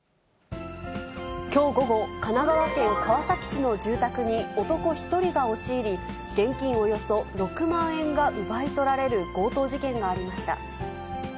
きょう午後、神奈川県川崎市の住宅に男１人が押し入り、現金およそ６万円が奪い取られる強盗事件がありました。